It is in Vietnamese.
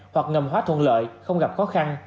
hoặc ngầm hóa thuận lợi không gặp khó khăn